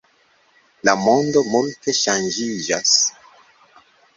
La mondo multe ŝanĝiĝas.